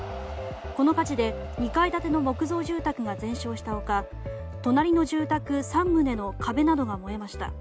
この火事で２階建ての木造住宅が全焼した他隣の住宅３棟の壁などが燃えました。